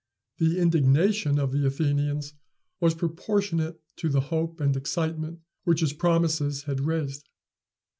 The indignation of the Athenians was proportionate to the hope and excitement which his promises had raised.